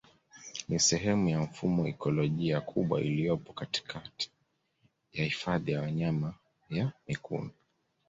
Ni sehemu ya mfumo ikolojia kubwa iliyopo katikati ya Hifadhi ya Wanyama ya mikumi